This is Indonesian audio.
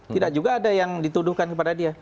tidak juga ada yang dituduhkan kepada dia